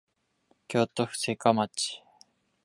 京都府精華町